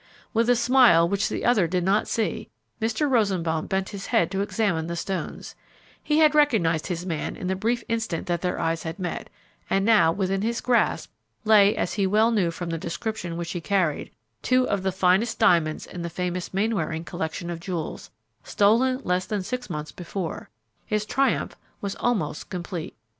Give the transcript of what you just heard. With a smile which the other did not see, Mr. Rosenbaum bent his head to examine the stones; he had recognized his man in the brief instant that their eyes had met, and now, within his grasp, lay, as he well knew from the description which he carried, two of the finest diamonds in the famous Mainwaring collection of jewels, stolen less than six months before; his triumph was almost complete.